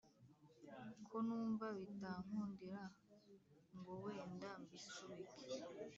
ko numva bitankundira ngo wenda mbisubike